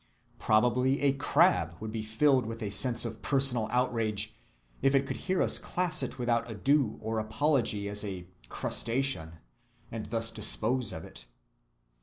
Probably a crab would be filled with a sense of personal outrage if it could hear us class it without ado or apology as a crustacean, and thus dispose of it.